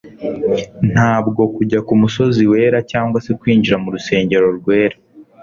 Ntabwo kujya ku musozi wera cyangwa se kwinjira mu rusengero rwera,